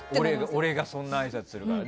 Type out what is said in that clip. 俺がそんなあいさつするから。